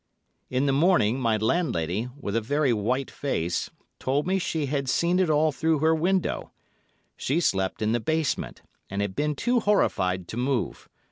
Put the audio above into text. In the morning my landlady, with a very white face, told me she had seen it all through her window; she slept in the basement, and had been too horrified to move.